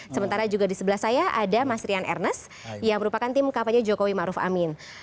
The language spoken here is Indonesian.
sementara juga di sebelah saya ada mas rian ernest yang merupakan tim kampanye jokowi maruf amin